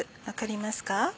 分かりますか？